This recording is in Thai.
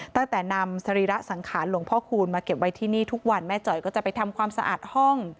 ตั้งแต่นำสรีระสังขารหลวงพ่อคูณมาเก็บไว้ที่นี่ทุกวันแม่จ๋อยก็จะไปทำความสะอาดห้อง